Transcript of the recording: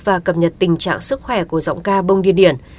và cập nhật tình trạng sức khỏe của giọng ca bông đi điển